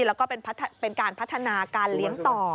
แล้วก็เป็นการพัฒนาการเลี้ยงต่อ